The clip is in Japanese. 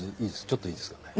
ちょっといいですかね？